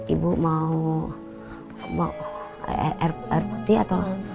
ibu mau air putih atau